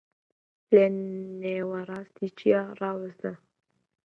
لە نێوەڕاستی چیا ڕاوەستا